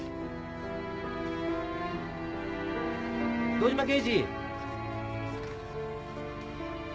堂島刑事。